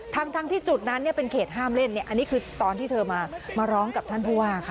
ทั้งที่จุดนั้นเป็นเขตห้ามเล่นอันนี้คือตอนที่เธอมาร้องกับท่านผู้ว่าค่ะ